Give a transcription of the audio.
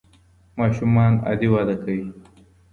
ماشومان عادي وده کوي.